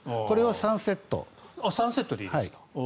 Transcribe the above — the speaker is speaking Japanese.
３セットでいいですか。